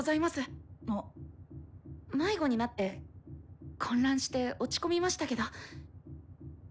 迷子になって混乱して落ち込みましたけど。